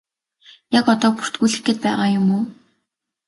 Яг одоо бүртгүүлэх гээд байгаа юм уу?